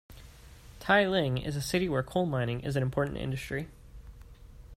Tieling is a city where coal mining is an important industry.